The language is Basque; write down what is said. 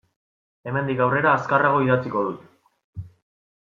Hemendik aurrera azkarrago idatziko dut.